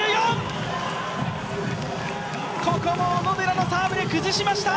ここも小野寺のサーブで崩しました。